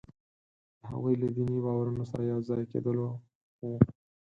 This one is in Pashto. د هغوی له دیني باورونو سره یو ځای کېدلو وو.